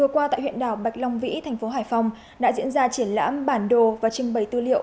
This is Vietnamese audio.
qua tại huyện đảo bạch long vĩ thành phố hải phòng đã diễn ra triển lãm bản đồ và trưng bày tư liệu